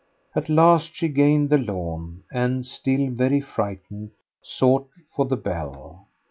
At last she gained the lawn, and, still very frightened, sought for the bell.